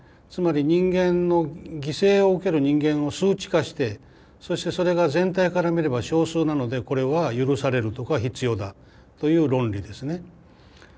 つまり犠牲を受ける人間を数値化してそしてそれが全体から見れば少数なのでこれは許されるとか必要だという論理ですね。